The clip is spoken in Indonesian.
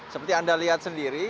seperti anda lihat sendiri